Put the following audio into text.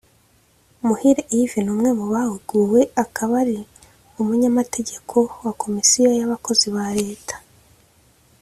Muhire Yves ni umwe mu bahuguwe akaba ari umunyamageko wa komisiyo y’abakozi ba leta